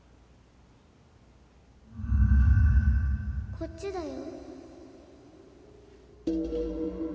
・こっちだよ。